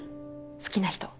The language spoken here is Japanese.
好きな人。